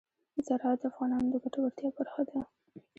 زراعت د افغانانو د ګټورتیا برخه ده.